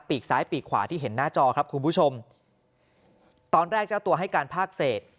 กซ้ายปีกขวาที่เห็นหน้าจอครับคุณผู้ชมตอนแรกเจ้าตัวให้การภาคเศษ